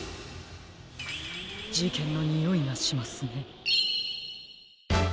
じけんのにおいがしますね。